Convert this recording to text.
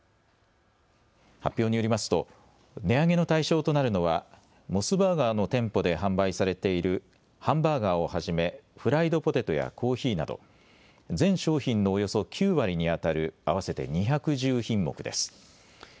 発表によりますと値上げの対象となるのはモスバーガーの店舗で販売されているハンバーガーをはじめフライドポテトやコーヒーなど全商品のおよそ９割にあたる合わせて２１０品目です。